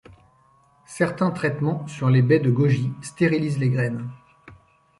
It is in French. Certains traitements sur les baies de goji stérilisent les graines.